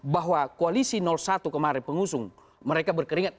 bahwa koalisi satu kemarin pengusung mereka berkeringat